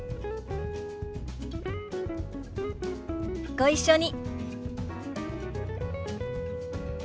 ご一緒に。